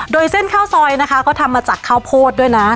โดยเส้นข้าวซอยนะคะเขาทำมาจากข้าวโพดด้วยนะ